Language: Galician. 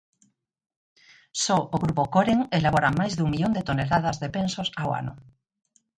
Só o grupo Coren elabora máis dun millón de toneladas de pensos ao ano.